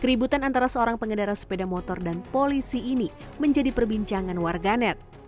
keributan antara seorang pengendara sepeda motor dan polisi ini menjadi perbincangan warganet